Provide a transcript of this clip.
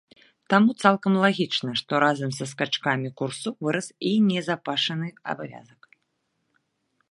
Таму цалкам лагічна, што разам са скачкамі курсу вырас і назапашаны абавязак.